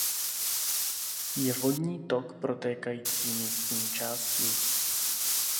Je vodní tok protékající místní částí.